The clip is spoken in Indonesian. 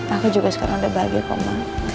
aku juga sekarang udah bahagia kok mah